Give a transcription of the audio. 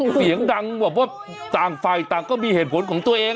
เสียงดังแบบว่าต่างฝ่ายต่างก็มีเหตุผลของตัวเอง